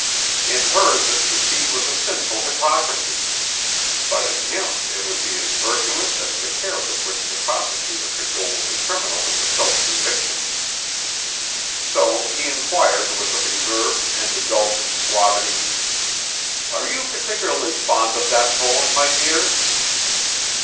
In her this deceit was a sinful hypocrisy, but in him it would be as virtuous as the care with which the prosecutor cajoles the criminal into self conviction. So he inquired with a reserved and indulgent suavity, "Are you particularly fond of that poem, my dear?"